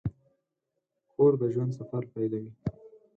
کور د ژوند سفر پیلوي.